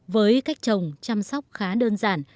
với cách trồng chăm sóc khá đơn giản